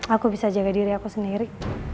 aku bisa jaga diri aku sendiri